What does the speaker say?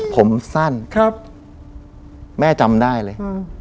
ผมสั้นครับแม่จำได้เลย